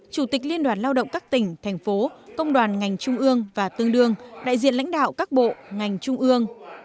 chủ tịch liên đoàn lao động các tỉnh thành phố công đoàn ngành trung ương và tương đương đại diện lãnh đạo các bộ ngành trung ương